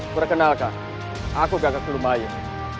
perkenalkan aku gagak lumayan